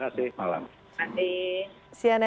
terima kasih malam